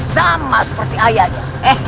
sama seperti ayahnya